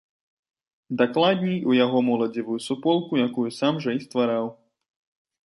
Дакладней, у яго моладзевую суполку, якую сам жа і ствараў.